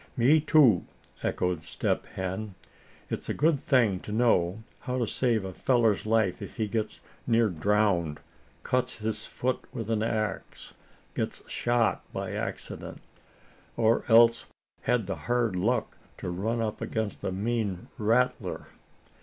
"Me too," echoed Step Hen. "It's a good thing to know how to save a feller's life if he gets near drowned, cuts his foot with an axe, gets shot by accident, or else has the hard luck to run up against a mean rattler."